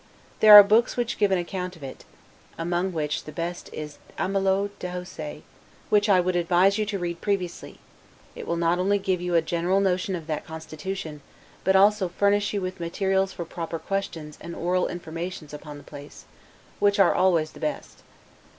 There are books which give an account of it, among which the best is Amelot de la Houssaye, which I would advise you to read previously; it will not only give you a general notion of that constitution, but also furnish you with materials for proper questions and oral informations upon the place, which are always the best.